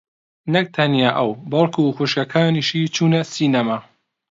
نەک تەنیا ئەو بەڵکوو خوشکەکانیشی چوونە سینەما.